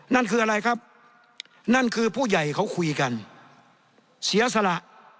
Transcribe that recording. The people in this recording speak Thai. นั่นคืออะไรครับนั่นคือผู้ใหญ่เขาคุยกันเสียสละ